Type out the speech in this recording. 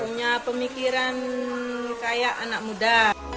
punya pemikiran kayak anak muda